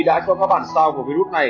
đã cho các bản sao của virus này